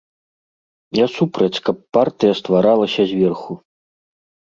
Я супраць, каб партыя стваралася зверху.